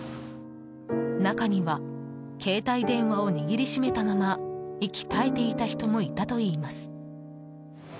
中には携帯電話を握りしめたまま息絶えていた人もいたといいます。